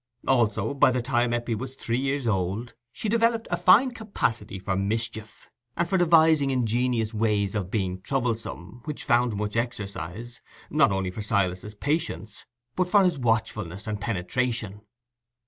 Also, by the time Eppie was three years old, she developed a fine capacity for mischief, and for devising ingenious ways of being troublesome, which found much exercise, not only for Silas's patience, but for his watchfulness and penetration.